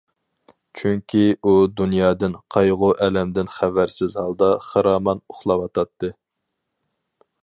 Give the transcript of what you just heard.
چۈنكى، ئۇ دۇنيادىن، قايغۇ-ئەلەمدىن خەۋەرسىز ھالدا خىرامان ئۇخلاۋاتاتتى.